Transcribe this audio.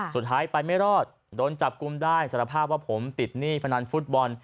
สุดท้ายไปไม่รอดโดนจับกุมได้สารภาพว่าผมติดหนี้พนันฟุตบอล